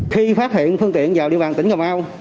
khi phát hiện phương tiện vào địa bàn tỉnh cà mau